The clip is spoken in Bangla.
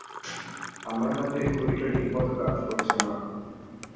আমার হাত-ঘড়িটা ঠিকমতো কাজ করছে না।